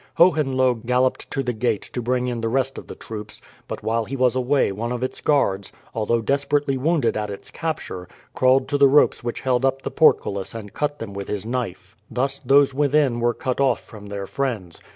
Hohenlohe galloped to the gate to bring in the rest of the troops; but while he was away one of its guards, although desperately wounded at its capture, crawled to the ropes which held up the portcullis and cut them with his knife. Thus those within were cut off from their friends.